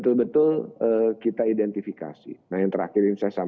kita bisa menggunakan kualitas dan kapasitas produknya nah yang terakhir ini saya sampaikan